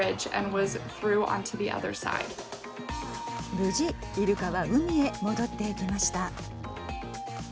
無事いるかは海へ戻っていきました。